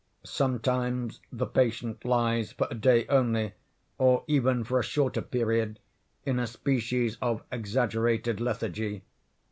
Sometimes the patient lies, for a day only, or even for a shorter period, in a species of exaggerated lethargy.